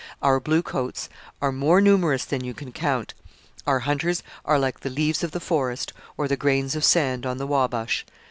Our blue coats are more numerous than you can count; our hunters are like the leaves of the forest, or the grains of sand on the Wabash.